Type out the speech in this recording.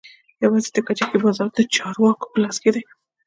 يوازې د کجکي بازار د چارواکو په لاس کښې دى.